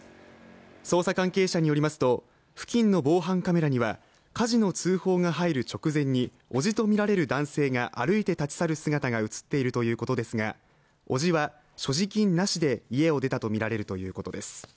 捜査関係者によりますと付近の防犯カメラには火事の通報が入る直前におじとみられる男性が歩いて立ち去る姿が映っているということですがおじは、所持金なしで家を出たとみられるということです。